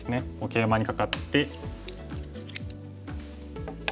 ケイマにカカって。